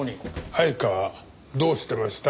相川どうしてました？